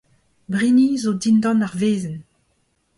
Brini zo dindan ar wezenn.